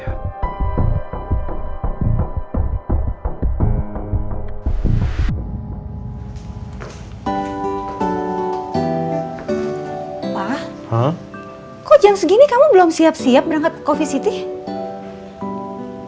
wah kok jam segini kamu belum siap siap berangkat coffee city